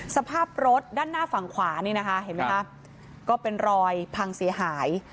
สภาพรถด้านหน้าฝั่งขวานี่นะคะเห็นไหมคะก็เป็นรอยพังเสียหาย